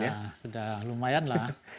sudah lumayan lah